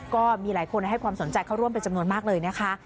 ก็มีหลายคนให้ความสนใจเข้าร่วมเป็นจำนวนมากเลยนะคะ